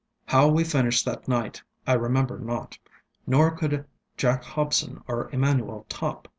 ŌĆ£How we finished that night I remember not; nor could Jack Hobson or Emmanuel Topp.